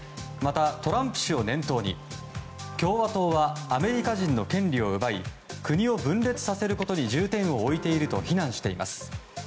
また、トランプ氏を念頭に共和党はアメリカ人の権利を奪い国を分裂させることに重点を置いていると非難しています。